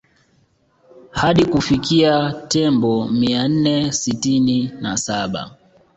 Hadi kufikia Tembo mia nne sitini na saba